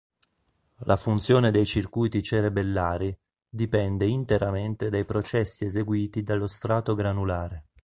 La funzione dei circuiti cerebellari dipende interamente dai processi eseguiti dallo strato granulare.